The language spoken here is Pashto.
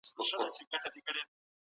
ایا کورني سوداګر بادام اخلي؟